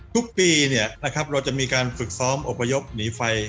ทุกปีเราจะมีการฝึกซ้อมอบพยพหนีไฟ